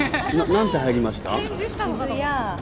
なんて入りました？